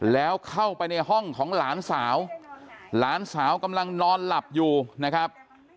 แล้วเข้าไปในห้องของหลานสาวหลานสาวกำลังนอนหลับอยู่นะครับ